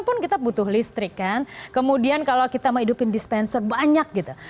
pun kita butuh listrik kan kemudian kalau kita menghidupin dispenser banyak gitu